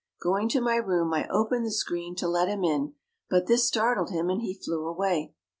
Going to my room I opened the screen to let him in, but this startled him and he flew away.